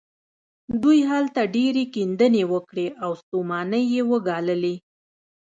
دوی هلته ډېرې کيندنې وکړې او ستومانۍ يې وګاللې.